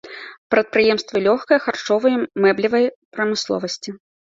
Прадпрыемствы лёгкай, харчовай, мэблевай прамысловасці.